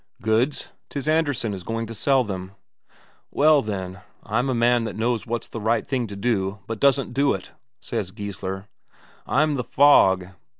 "Goods. 'Tis Andresen is going to sell them." "Well, then, I'm a man that knows what's the right thing to do, but doesn't do it," says Geissler. "I'm the fog.